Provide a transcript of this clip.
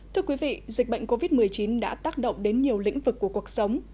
thưa quý vị dịch bệnh covid một mươi chín đã tác động đến nhiều lĩnh vực của cuộc sống